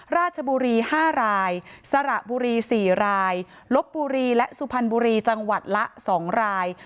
ราชบุรี๕รายสระบุรี๔รายลบบุรีและสุพรรณบุรีจังหวัดละ๒ราย